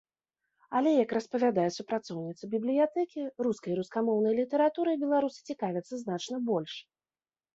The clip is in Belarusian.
Але, як распавядае супрацоўніца бібліятэкі, рускай і рускамоўнай літаратурай беларусы цікавяцца значна больш.